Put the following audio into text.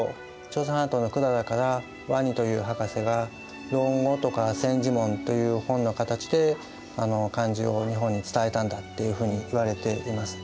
朝鮮半島の百済から王仁という博士が「論語」とか「千字文」という本の形で漢字を日本に伝えたんだっていうふうにいわれています。